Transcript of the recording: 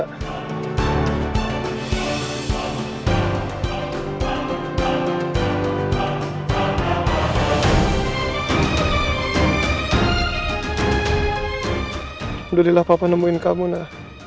alhamdulillah papa nemuin kamu nak